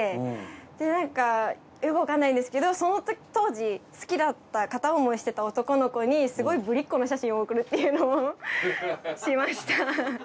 でなんかよくわかんないんですけどその当時好きだった片思いしてた男の子にすごいぶりっ子の写真を送るっていうのをしました。